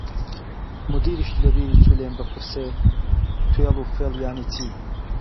مودیریش لە بیری چوو لێم بپرسێ توێڵ و فێڵ یانی چی؟